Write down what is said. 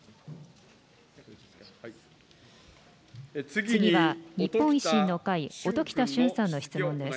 次は日本維新の会、音喜多駿さんの質問です。